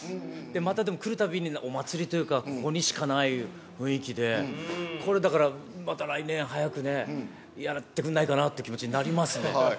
またでも来るたびにお祭りというか、ここにしかない雰囲気で、これだから、また来年、早くね、やってくんないかなっていう気持ちになりますね。